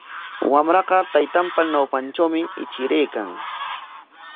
Wamraqa taytanpa ñawpantrawmi ichiraykan.